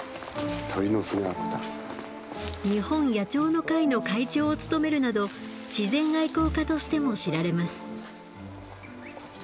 日本野鳥の会の会長を務めるなど自然愛好家としても知られます。